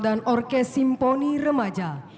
dan orkes simponi remaja